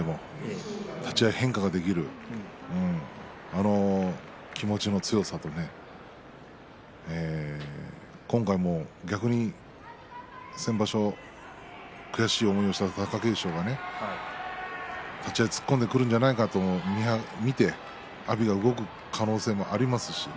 先場所の高安戦でも立ち合いに変化はできるあの気持ちの強さ今回も逆に先場所悔しい思いをした貴景勝が立ち合い突っ込んでくるんじゃないかと見て阿炎は動く可能性もあります。